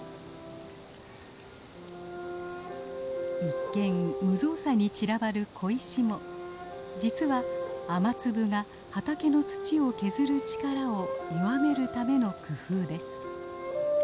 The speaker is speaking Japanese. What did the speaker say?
一見無造作に散らばる小石も実は雨粒が畑の土を削る力を弱めるための工夫です。